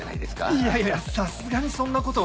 いやいやさすがにそんなことは。